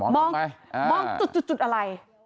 มองจุดอะไร